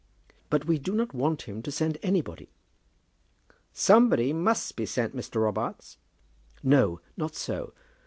"But we do not want him to send anybody." "Somebody must be sent, Mr. Robarts." "No, not so.